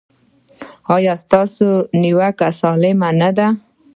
ایا ستاسو نیوکه سالمه نه ده؟